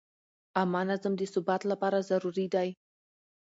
عامه نظم د ثبات لپاره ضروري دی.